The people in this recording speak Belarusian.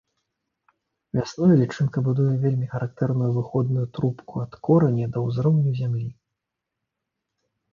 Вясной лічынка будуе вельмі характэрную выходную трубку ад кораня да ўзроўню зямлі.